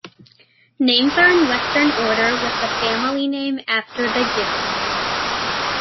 Names are in Western order, with the family name after the given name.